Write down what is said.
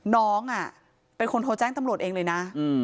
น้องเป็นคนโทรแจ้งตำรวจเองเลยนะ